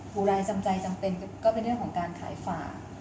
ูรายจำใจจำเป็นก็เป็นเรื่องของการขายฝาก